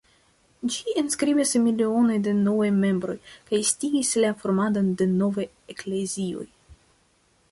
Ĝi enskribis milionojn da novaj membroj, kaj estigis la formadon de novaj eklezioj.